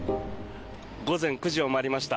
午前９時を回りました。